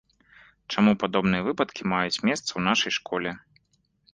Чаму падобныя выпадкі маюць месца ў нашай школе?